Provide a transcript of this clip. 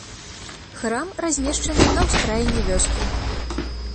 Храм размешчаны на ўскраіне вёскі.